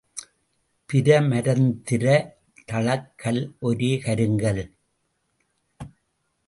பிரமரந்திர தளக்கல் ஒரே கருங்கல்.